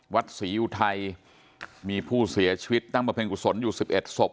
วัดศรีอุทัยมีผู้เสียชีวิตตั้งบริเวณกุศลอยู่๑๑ศพ